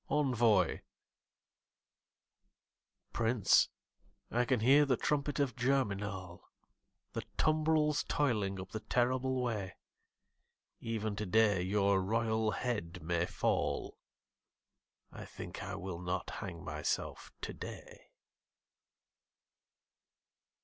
Envoi Prince, I can hear the trumpet of Germinal, The tumbrils toiling up the terrible way; Even today your royal head may fall I think I will not hang myself today.